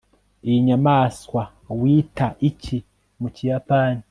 iyi nyamaswa wita iki mu kiyapani